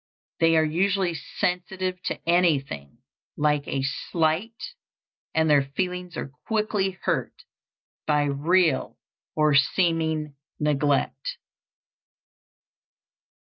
They are usually sensitive to anything like a slight, and their feelings are quickly hurt by real or seeming neglect.